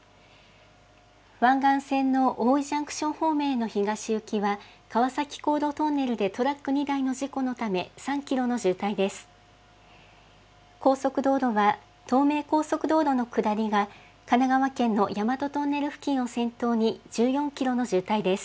湾岸線の大井ジャンクション方面への東行きは、川崎航路トンネルでトラック２台の事故のため、３キロの渋滞です。